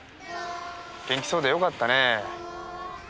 元気そうでよかったね。